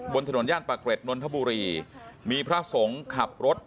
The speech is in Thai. บนถนนย่านปากเกร็ดนนทบุรีมีพระสงฆ์ขับรถ